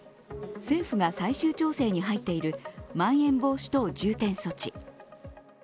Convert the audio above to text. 政府が最終調整に入っているまん延防止等重点措置。